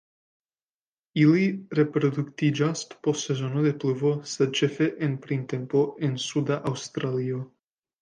Ili reproduktiĝas post sezono de pluvo sed ĉefe en printempo en Suda Aŭstralio.